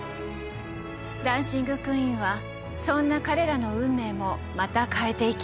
「ダンシング・クイーン」はそんな彼らの運命もまた変えていきます。